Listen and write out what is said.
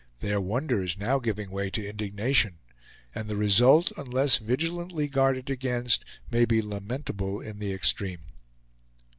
Their wonder is now giving way to indignation; and the result, unless vigilantly guarded against, may be lamentable in the extreme.